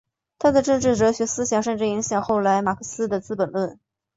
他的政治哲学思想甚至影响后来马克思的资本论。